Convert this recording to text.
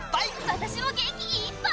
私も元気いっぱい！